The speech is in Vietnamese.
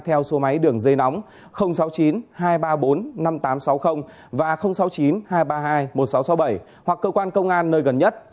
theo số máy đường dây nóng sáu mươi chín hai trăm ba mươi bốn năm nghìn tám trăm sáu mươi và sáu mươi chín hai trăm ba mươi hai một nghìn sáu trăm sáu mươi bảy hoặc cơ quan công an nơi gần nhất